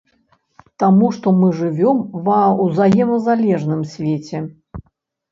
Таму што мы жывём ва ўзаемазалежным свеце.